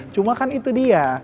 cuma kan itu dia